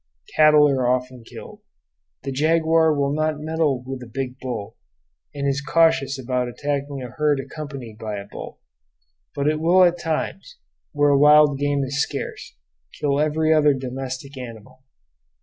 Cattle are often killed. The jaguar will not meddle with a big bull; and is cautious about attacking a herd accompanied by a bull; but it will at times, where wild game is scarce, kill every other domestic animal.